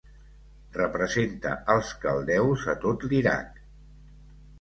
Representa als caldeus a tot l'Iraq.